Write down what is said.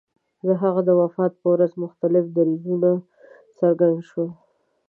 د هغه د وفات په ورځ مختلف دریځونه څرګند شول.